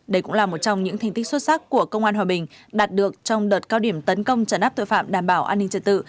đây cũng là một trong những thành tích xuất sắc của công an hòa bình đạt được trong đợt cao điểm tấn công trấn áp tội phạm đảm bảo an ninh trật tự